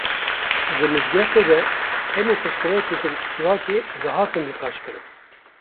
Di mizgeftê de hemû pirsgirêkên civakê, dihatin niqaş kirin